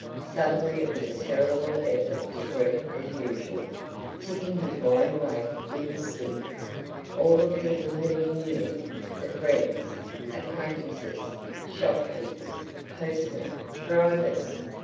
Suddenly it was a terrible effort to greet as usual—tipping his wide awake with his stick—all the people whom he knew, the friends, acquaintances, shopkeepers, postmen, drivers.